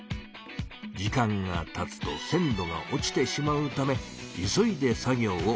時間がたつと鮮度が落ちてしまうため急いで作業を行います。